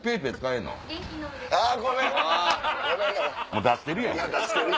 もう出してるやん。